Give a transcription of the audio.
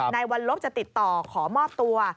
นายวัลลบจะติดต่อขอมอบตัว